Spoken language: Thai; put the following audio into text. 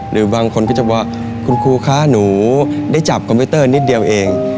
หรือบางคนก็จะบอกคุณครูคะหนูได้จับคอมพิวเตอร์นิดเดียวเอง